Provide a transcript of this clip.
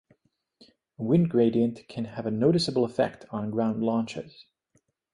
Wind gradient can have a noticeable effect on ground launches.